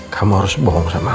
kamu harus bohong sama aku